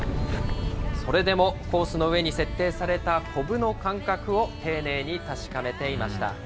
それでもコースの上に設定された、こぶの感覚を丁寧に確かめていました。